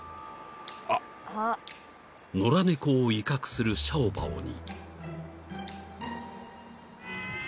［野良猫を威嚇するシャオバオに］